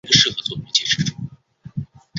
一克若等于一千万。